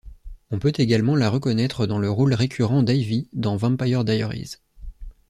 On peut également la reconnaître dans le rôle récurrent d'Ivy dans Vampire Diaries.